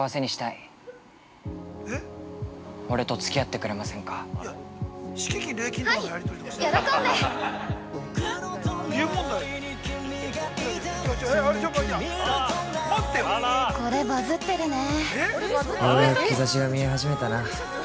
ようやく兆しが見え始めたな。